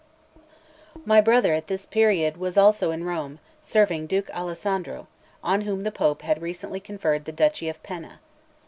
XLVII MY brother, at this period, was also in Rome, serving Duke Alessandro, on whom the Pope had recently conferred the Duchy of Penna.